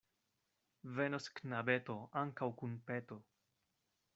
Venos knabeto ankaŭ kun peto.